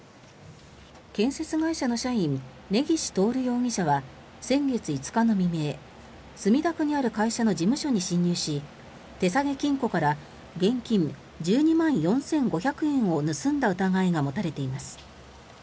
建設会社の社員根岸徹容疑者は先月５日の未明墨田区にある会社の事務所に侵入し手提げ金庫から現金１２万４５００円を盗んだ疑いが持たれています。